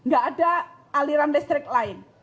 gak ada aliran listrik lain